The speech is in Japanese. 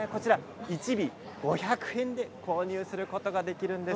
１尾５００円で購入することができるんです。